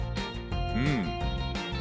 うん。